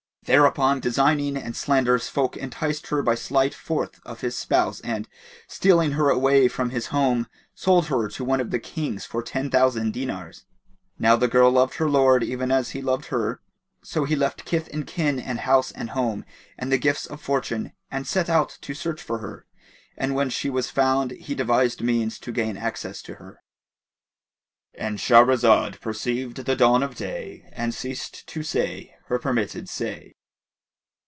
Thereupon designing and slanderous folk enticed her by sleight forth of his house and, stealing her away from his home, sold her to one of the Kings for ten thousand dinars. Now the girl loved her lord even as he loved her, so he left kith and kin and house and home and the gifts of fortune, and set out to search for her and when she was found he devised means to gain access to her".—And Shahrazad perceived the dawn of day and ceased to say her permitted say.